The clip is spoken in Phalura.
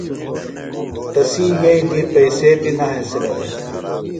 تسی یئیی دی پئسے بیۡ نہ ہنسِلہ دےۡ۔